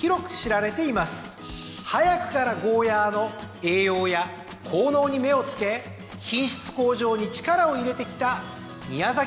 早くからゴーヤーの栄養や効能に目を付け品質向上に力を入れてきた宮崎県。